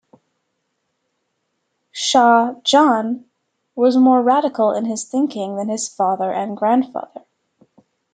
Shah Jahan was more radical in his thinking than his father and grandfather.